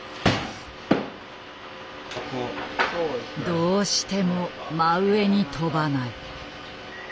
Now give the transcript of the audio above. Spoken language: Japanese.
どうしても真上に跳ばない。